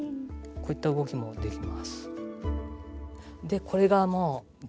こういった動きもできます。